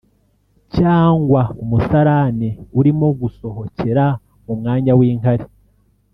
cyangwa umusarane urimo gusohokera mu mwanya w’inkari